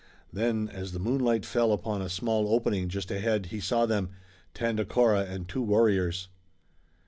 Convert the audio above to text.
Then as the moonlight fell upon a small opening just ahead he saw them, Tandakora and two warriors.